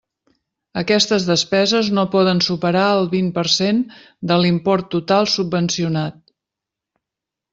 Aquestes despeses no poden superar el vint per cent de l'import total subvencionat.